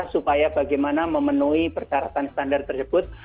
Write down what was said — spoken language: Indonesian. supaya bagaimana memenuhi persyaratan standar tersebut